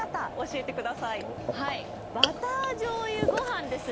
はいバターじょうゆご飯です。